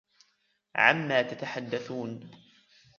عما تتحدثون ؟